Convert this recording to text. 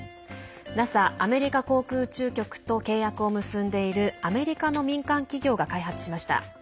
ＮＡＳＡ＝アメリカ航空宇宙局と契約を結んでいるアメリカの民間企業が開発しました。